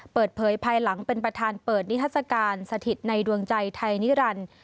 เปิดเผยภายหลังเป็นประธานเปิดนิทัศกาลสถิตในดวงใจไทยนิรันดิ์